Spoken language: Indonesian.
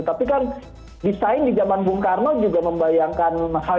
tapi kan desain di zaman bung karno juga membayangkan hal